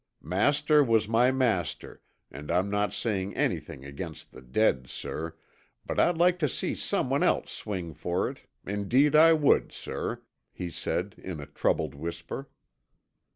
Master was my master and I'm not saying anything against the dead, sir, but I'd like to see someone else swing for it, indeed I would, sir," he said in a troubled whisper.